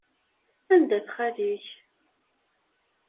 Anda-t xali-k?